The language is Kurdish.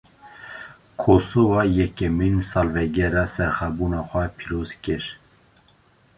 Kosowa, yekemîn salvegera serxwebûna xwe pîroz kir